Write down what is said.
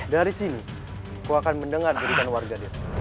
dari sini kau akan mendengar jadikan warga dia